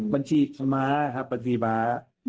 ปัญชีสมาศครับปัญชีบา